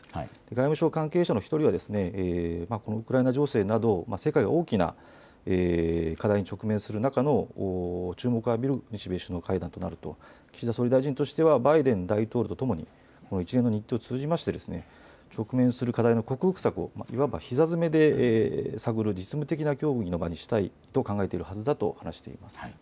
外務省関係者の１人は、このウクライナ情勢など世界が大きな課題に直面する中、注目を浴びる日米首脳会談となると、岸田総理大臣としてはバイデン大統領とともに一連の日程を通じまして直面する課題の克服策をいわばひざ詰めで探る実務的な協議の場にしたいと考えているはずだと話しています。